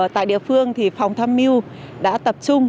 tại địa phương thì phòng tham mưu đã tập trung